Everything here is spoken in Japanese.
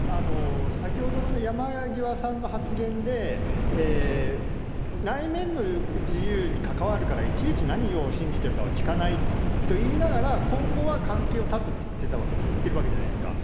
先ほどの山際さんの発言で、内面の自由に関わるからいちいち何を信じてるかは聞かないと言いながら、今後は関係を断つって言ってるわけじゃないですか。